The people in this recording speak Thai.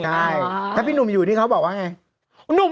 ใช่ถ้าพี่หนุ่มอยู่ที่เขาบอกว่าไง